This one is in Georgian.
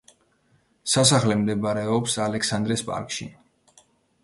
სასახლე მდებარობს ალექსანდრეს პარკში.